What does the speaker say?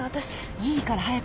いいから早く。